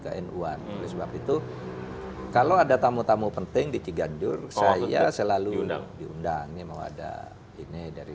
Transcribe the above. knu an oleh sebab itu kalau ada tamu tamu penting di ciganjur saya selalu diundang mau ada ini dari